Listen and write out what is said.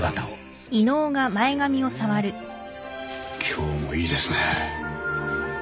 今日もいいですね。